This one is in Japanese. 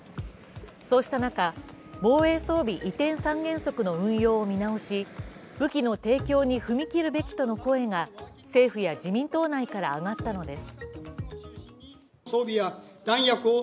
そうした中、防衛装備移転三原則の運用を見直し武器の提供に踏み切るべきとの声が政府や自民党内から上がったのです。